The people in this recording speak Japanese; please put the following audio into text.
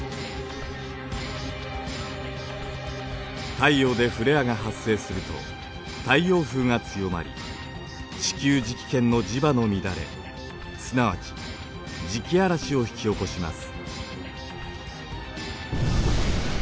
太陽でフレアが発生すると太陽風が強まり地球磁気圏の磁場の乱れすなわち磁気嵐を引き起こします。